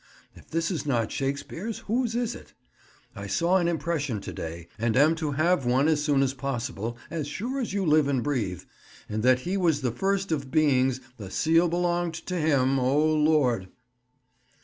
If this is not Shakespeare's whose is it? I saw an impression to day, and am to have one as soon as possible: as sure as you live and breathe, and that he was the first of beings, the seal belonged to him, O, Lord!"